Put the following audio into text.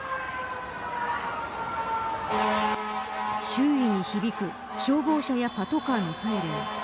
周囲に響く消防車やパトカーのサイレン。